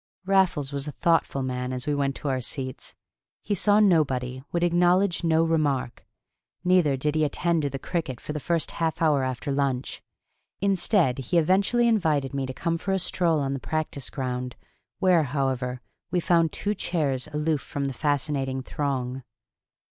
Raffles was a thoughtful man as we went to our seats. He saw nobody, would acknowledge no remark. Neither did he attend to the cricket for the first half hour after lunch; instead, he eventually invited me to come for a stroll on the practice ground, where, however, we found two chairs aloof from the fascinating throng.